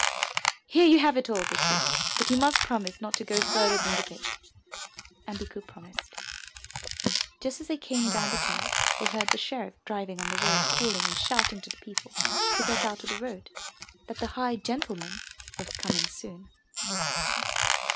"Here you have it all, Bikku, but you must promise not to go further than the gate." And Bikku promised. Just as they came down from the garret they heard the sheriff driving on the road calling and shouting to the people to get out of the road, that the high gentleman was coming soon.